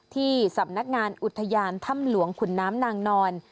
ที่สำนักงานอุทยานถ้ำหลวงขุนน้ำนางนอน